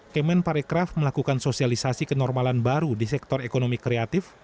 kemen parekraf melakukan sosialisasi kenormalan baru di sektor ekonomi kreatif